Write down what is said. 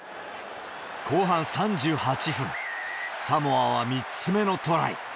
後半３８分、サモアは３つ目のトライ。